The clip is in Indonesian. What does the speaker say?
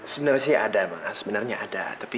sebenarnya ada ma sebenarnya ada tapi